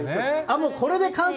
もうこれで完成。